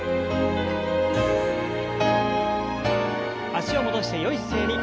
脚を戻してよい姿勢に。